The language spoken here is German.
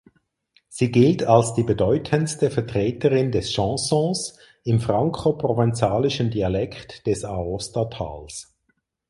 Sie gilt als die bedeutendste Vertreterin des Chansons im frankoprovenzalischen Dialekt des Aostatals.